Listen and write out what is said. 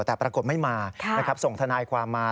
แต่ปรากฏไม่มาส่งทนายความมา